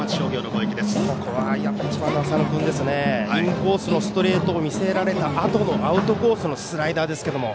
ここは、１番の浅野君インコースのストレートを見せられたあとのアウトコースのスライダーですけども。